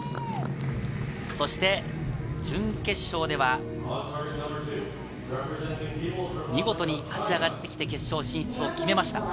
そして準決勝では、見事に勝ち上がってきて決勝進出を決めました。